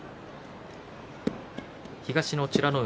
東の美ノ海